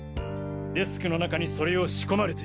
デスクの中にそれを仕込まれて。